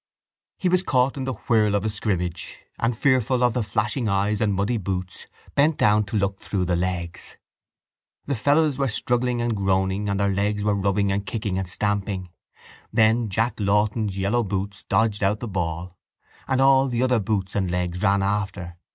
He was caught in the whirl of a scrimmage and, fearful of the flashing eyes and muddy boots, bent down to look through the legs. The fellows were struggling and groaning and their legs were rubbing and kicking and stamping. Then Jack Lawton's yellow boots dodged out the ball and all the other boots and legs ran after.